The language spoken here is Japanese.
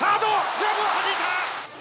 グラブをはじいた！